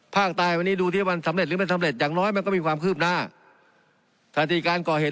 ภาคตายวันนี้ดูว่าวันสำเร็จหรือไม่สำเร็จ